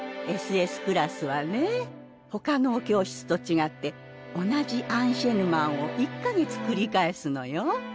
ＳＳクラスはねほかのお教室と違って同じアンシェヌマンを１か月繰り返すのよ。